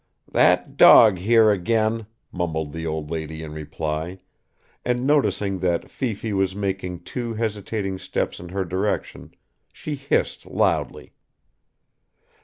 "That dog here again," mumbled the old lady in reply, and noticing that Fifi was making two hesitating steps in her direction, she hissed loudly.